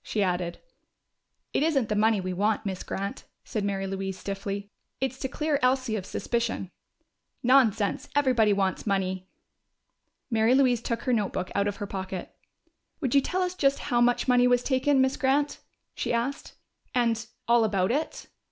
she added. "It isn't the money we want, Miss Grant," said Mary Louise stiffly. "It's to clear Elsie of suspicion." "Nonsense! Everybody wants money!" Mary Louise took her notebook out of her pocket. "Would you tell us just how much money was taken, Miss Grant?" she asked. "And all about it?"